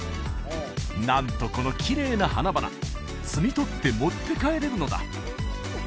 なんとこのきれいな花々摘み取って持って帰れるのだ